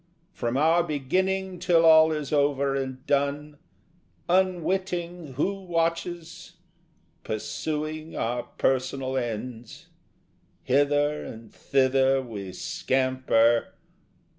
From our beginning till all is over and done, Unwitting who watches, pursuing our personal ends, Hither and thither we scamper....